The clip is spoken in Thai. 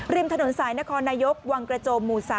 ริมถนนสายนครนายกวังกระโจมหมู่๓